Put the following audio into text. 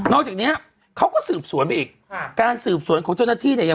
จากเนี้ยเขาก็สืบสวนไปอีกค่ะการสืบสวนของเจ้าหน้าที่เนี่ย